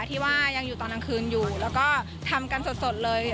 ที่ว่ายังอยู่ตอนกลางคืนอยู่แล้วก็ทำกันสดเลย